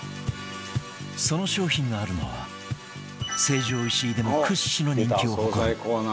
その商品があるのは成城石井でも屈指の人気を誇る惣菜コーナー